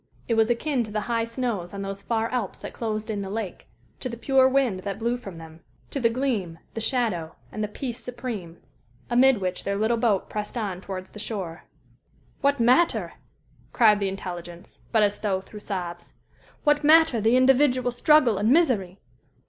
It was akin to the high snows on those far Alps that closed in the lake to the pure wind that blew from them to the "gleam, the shadow, and the peace supreme," amid which their little boat pressed on towards the shore. "What matter," cried the intelligence, but as though through sobs "what matter the individual struggle and misery?